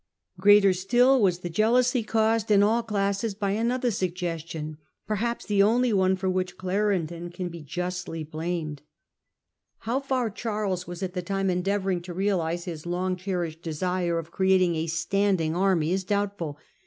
Greater still was the jealousy caused in all classes by another suggestion, perhaps the only one for which Suggests Clarendon can be justly blamed. How far wpporting Charles was at the time endeavouring to realise forced con his long cherished desire of creating a standing tnbutions. army } s doubtful.